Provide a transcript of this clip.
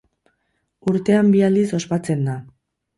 Urtean bi aldiz ospatzen da.